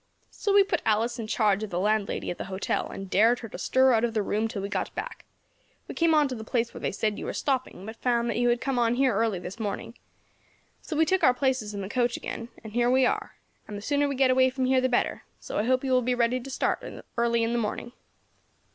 So we put Alice in charge of the landlady of the hotel, and dared her to stir out of the room till we got back; we came on to the place where they said you were stopping, but found that you had come on here this morning. So we took our places in the coach again, and here we are; and the sooner we get away from here the better, so I hope you will be ready to start early in the morning."